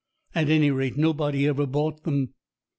At any rate, nobody ever bought them.